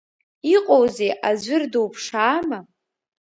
Иҟоузеи, аӡәыр дуԥшаама?